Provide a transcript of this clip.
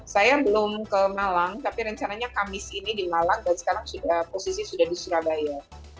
saya belum ke malang tapi rencananya kamis ini di malang dan sekarang posisi sudah di surabaya